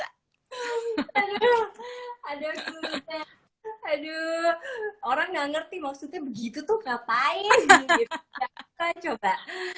aduh ada clue nya aduh orang gak ngerti maksudnya begitu tuh ngapain gak apa apa coba